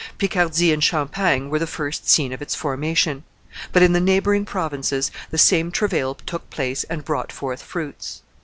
Picardy and Champagne were the first scene of its formation; but in the neighboring provinces the same travail took place and brought forth fruits.